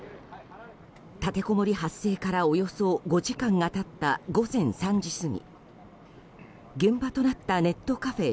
立てこもり発生からおよそ５時間が経った午前３時過ぎ現場となったネットカフェ